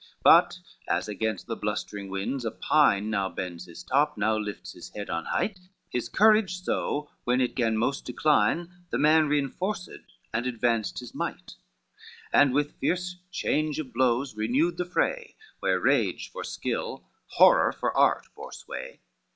But as against the blustering winds a pine Now bends his top, now lifts his head on height, His courage so, when it 'gan most decline, The man reinforced, and advanced his might, And with fierce change of blows renewed the fray, Where rage for skill, horror for art, bore sway.